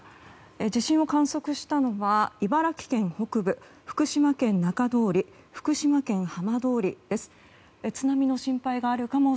地震を観測したのは茨城県北部福島県中通り福島県浜通りです。